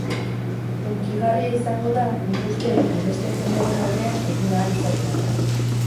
Hunkigarria izango da, nik uste, hainbeste jenderen aurrean egin ahal izatea.